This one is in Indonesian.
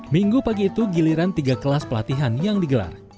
minggu pagi itu giliran tiga kelas pelatihan yang digelar